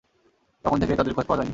তখন থেকেই তাদের খোঁজ পাওয়া যায়নি।